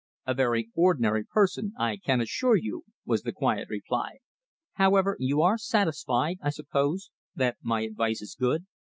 "A very ordinary person, I can assure you," was the quiet reply. "However, you are satisfied, I suppose, that my advice is good?"